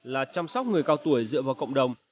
là chăm sóc người cao tuổi dựa vào cộng đồng